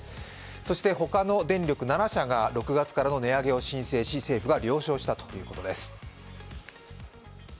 そしてほかの電力７社が６月からの値上げを申請し、政府が了承したということです。